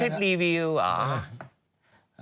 คลิปรีวิวอ่ะ